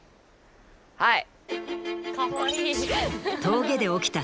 はい。